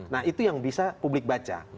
nah itu yang bisa publik baca